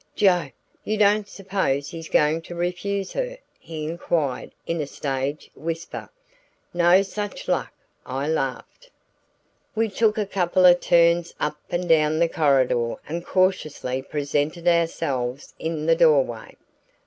"Jove! You don't suppose he's going to refuse her?" he inquired in a stage whisper. "No such luck," I laughed. We took a couple of turns up and down the corridor and cautiously presented ourselves in the doorway.